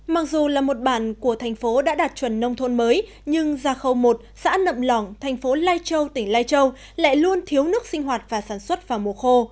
mặc dù là một bản của thành phố đã đạt chuẩn nông thôn mới nhưng gia khâu một xã nậm lỏng thành phố lai châu tỉnh lai châu lại luôn thiếu nước sinh hoạt và sản xuất vào mùa khô